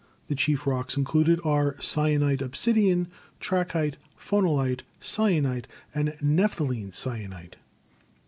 The chief rocks included are syenite obsidian, trachyte, phonolite, syenite and nepheline syenite.